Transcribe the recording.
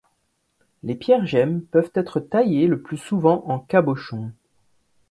Les pierres gemmes peuvent être taillées le plus souvent en cabochon.